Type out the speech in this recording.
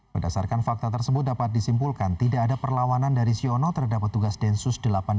berdasarkan fakta tersebut dapat disimpulkan tidak ada perlawanan dari siono terhadap petugas densus delapan puluh delapan